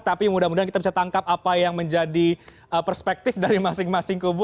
tapi mudah mudahan kita bisa tangkap apa yang menjadi perspektif dari masing masing kubu